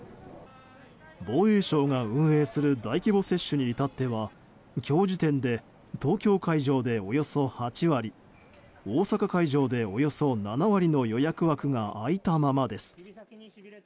防衛省が運営する大規模接種に至っては今日時点で東京会場でおよそ８割大阪会場でおよそ７割の予約枠が空いたままです。